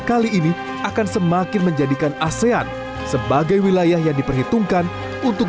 kali ini akan semakin menjadikan asean sebagai wilayah yang diperhitungkan untuk